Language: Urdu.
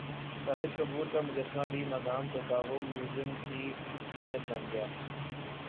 شاہد کپور کا مجسمہ بھی مادام تساو میوزم کی زینت بن گیا